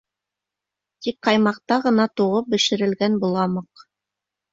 Тик ҡаймаҡта ғына туғып бешерелгән боламыҡ.